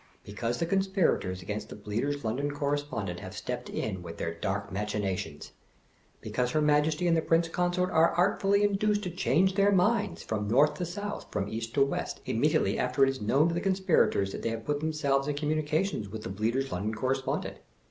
Because the Conspirators against the Bleater's London Cor respondent have stepped in with their dark machinations. Because her Majesty and the Prince Consort are artfully induced to change their minds, from north to south, from east to west, immediately after it is known to the conspira tors that they have put themselves in communication with the Bleater's London Correspondent.